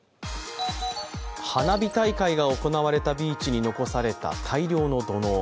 花火大会が行われたビーチに残された大量の土のう。